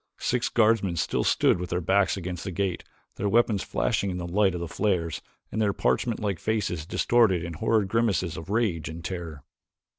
Six guardsmen still stood with their backs against the gate, their weapons flashing in the light of the flares and their parchment like faces distorted in horrid grimaces of rage and terror.